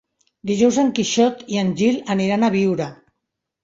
Dijous en Quixot i en Gil aniran a Biure.